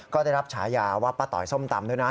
ก็ได้รับฉายาว่าป้าต๋อยส้มตำด้วยนะ